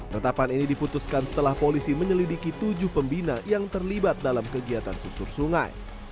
tetapan ini diputuskan setelah polisi menyelidiki tujuh pembina yang terlibat dalam kegiatan susur sungai